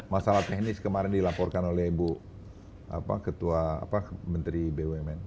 masalah teknis kemarin dilaporkan oleh ibu ketua menteri bumn